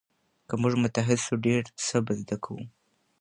که موږ متحد سو ډېر څه زده کوو.